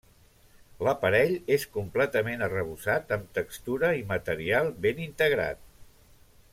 L'aparell és completament arrebossat amb textura i material ben integrat.